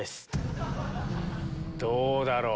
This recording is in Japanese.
どうだろう？